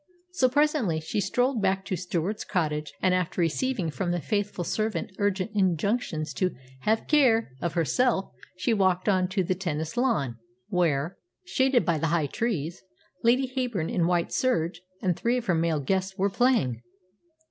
So presently she strolled back to Stewart's cottage, and after receiving from the faithful servant urgent injunctions to "have a care" of herself, she walked on to the tennis lawn, where, shaded by the high trees, Lady Heyburn, in white serge, and three of her male guests were playing.